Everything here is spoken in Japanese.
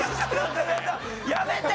やめて！